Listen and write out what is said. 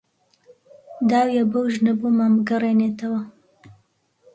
داویە بەو ژنە بۆمان بگەڕێنێتەوە